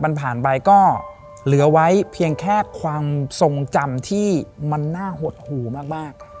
มันผ่านไปก็เหลือไว้เพียงแค่ความทรงจำที่มันน่าหดหูมาก